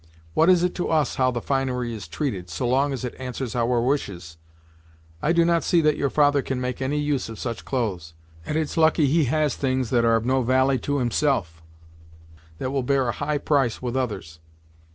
What is it to us how the finery is treated, so long as it answers our wishes? I do not see that your father can make any use of such clothes, and it's lucky he has things that are of no valie to himself, that will bear a high price with others.